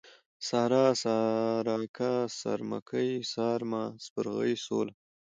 سارا ، سارکه ، سارمکۍ ، سارمه ، سپرغۍ ، سوله